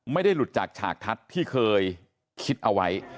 ไม่ได้หลุดจากฉากทัศน์ที่เคยคิดเอาไว้